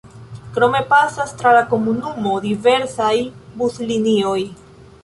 Krome pasas tra la komunumo diversaj buslinioj.